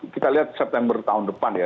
kita lihat september tahun depan ya